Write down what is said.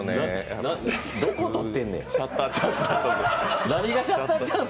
どこ撮ってんねん。